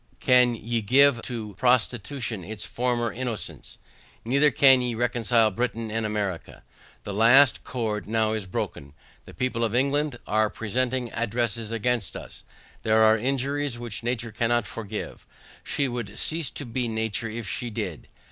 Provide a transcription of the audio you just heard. Can ye give to prostitution its former innocence? Neither can ye reconcile Britain and America. The last cord now is broken, the people of England are presenting addresses against us. There are injuries which nature cannot forgive; she would cease to be nature if she did.